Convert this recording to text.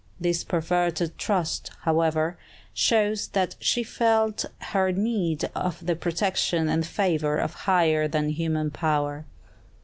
This perverted trust, however, shows that she felt her need of the protection and favor of a higher than human power.